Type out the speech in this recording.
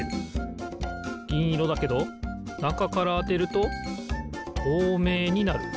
ぎんいろだけどなかからあてるととうめいになる。